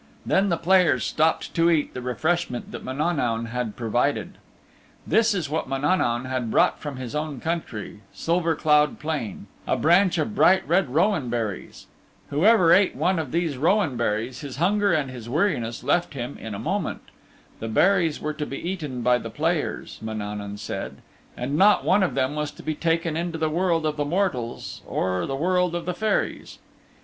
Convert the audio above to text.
Then the players stopped to eat the refreshment that Mananaun had provided. This is what Mananaun had brought from his own country, Silver Cloud Plain: a branch of bright red rowan berries. Whoever ate one of these rowan berries his hunger and his weariness left him in a moment. The berries were to be eaten by the players, Mananaun said, and not one of them was to be taken into the world of the mortals or the world of the Fairies.